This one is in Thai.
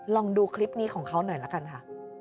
ลองดูคลิปนี้ของเขาหน่อยละกันค่ะ